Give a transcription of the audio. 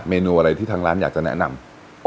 เมนูอะไรที่ทางร้านอยากจะแนะนำ